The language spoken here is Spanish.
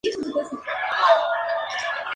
No obstante, aún se necesita una ley más integral.